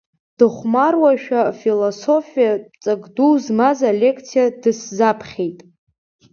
Дыхәмаруашәа афилософиатә ҵак ду змаз алекциа дысзаԥхьеит.